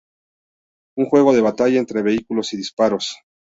Un juego de batalla entre vehículos y disparos.